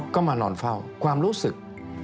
ก็มานอนเฝ้าความรู้สึก